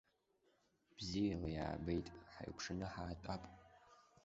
Бзиала иаабеит, ҳаикәшаны ҳаатәап.